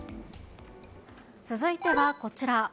続いてはこちら。